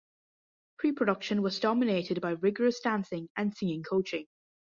Preproduction was dominated by rigorous dancing and singing coaching.